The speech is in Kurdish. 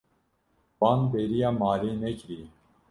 Wan bêriya malê nekiriye.